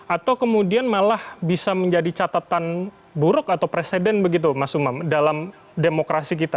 atau kemudian malah bisa menjadi catatan buruk atau presiden begitu mas umam dalam demokrasi kita